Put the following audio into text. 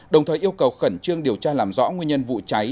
đồng thời yêu cầu khẩn trương điều tra làm rõ nguyên nhân vụ cháy